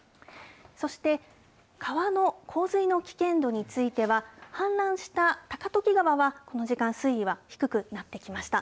そして、川の洪水の危険度については、氾濫した高時川はこの時間、水位は低くなってきました。